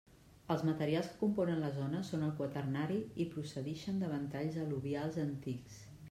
Els materials que componen la zona són del Quaternari i procedixen de ventalls al·luvials antics.